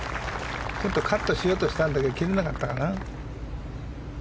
カットしようとしたんだけど切れなかったかな。